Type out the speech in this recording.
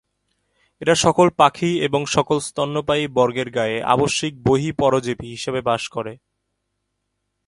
এরা সকল পাখি এবং সকল স্তন্যপায়ী বর্গের গায়ে 'আবশ্যিক-বহিঃপরজীবি' হিসেবে বাস করে।